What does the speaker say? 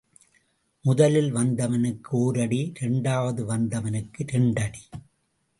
முதலில் வந்தவனுக்கு ஓரடி இரண்டாவது வந்தவனுக்கு இரண்டடி.